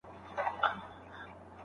خپلواکي د ښې څېړني بنسټ ګڼل کېږي.